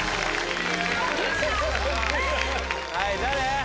はい誰？